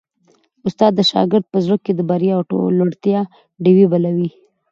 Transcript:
استاد د شاګرد په زړه کي د بریا او لوړتیا ډېوې بلوي.